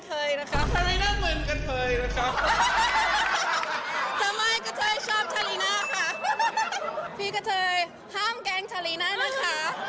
ทำไมกระเทยชอบชาลีน่าค่ะพี่กระเทยห้ามแกงชาลีน่านะคะ